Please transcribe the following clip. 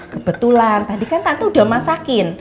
kebetulan tadi kan tante udah masakin